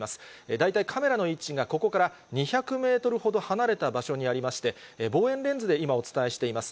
大体カメラの位置がここから２００メートルほど離れた場所にありまして、望遠レンズで今、お伝えしています。